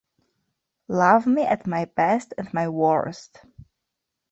Love me at my best and my worst.